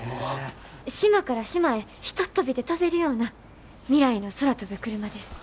島から島へひとっ飛びで飛べるような未来の空飛ぶクルマです。